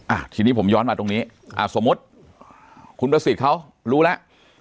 อ่ะทีนี้ผมย้อนมาตรงนี้อ่าสมมุติคุณประสิทธิ์เขารู้แล้ว